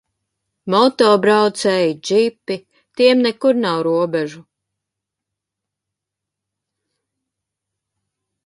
Moto braucēji, džipi - tiem nekur nav robežu.